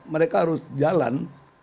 mereka harus jalan